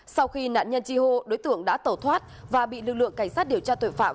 sau khi nạn nhân chi hô đối tượng đã tẩu thoát và bị lực lượng cảnh sát điều tra tội phạm